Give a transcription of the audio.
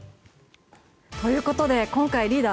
ということでリーダー